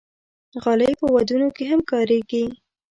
غالۍ په ودونو کې هم کارېږي.